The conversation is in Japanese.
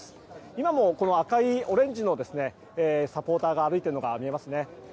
今もこの赤いオレンジのサポーターが歩いているのが見えますね。